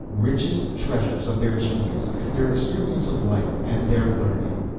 ] richest treasures of their genius, their experience of life, and their learning.